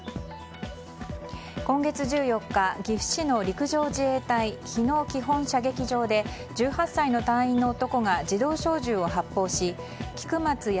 今月１４日、岐阜市の陸上自衛隊日野基本射撃場で１８歳の隊員の男が自動小銃を発砲し菊松安